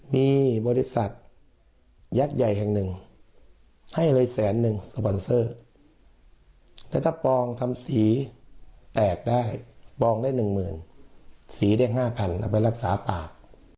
มีบริษัทยักษ์ใหญ่แห่งหนึ่งให้เลยแสนหนึ่งสปอนเซอร์แล้วถ้าปองทำสีแตกได้ปองได้๑๐๐๐สีแดง๕๐๐เอาไปรักษาปาก